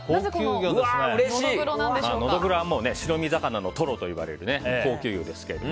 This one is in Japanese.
ノドグロは白身魚のトロといわれる高級魚ですけれども。